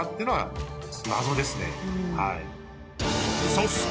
［そして］